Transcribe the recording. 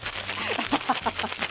アハハハハ！